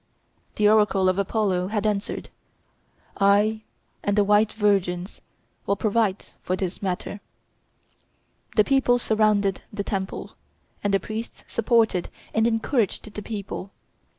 The oracle of Apollo had answered, "I and the white virgins will provide for this matter." The people surrounded the temple, and the priests supported and encouraged the people.